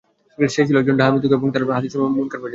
সে ছিল একজন ডাহা মিথুক এবং তার হাদীছসমূহ মুনকার পর্যায়ের।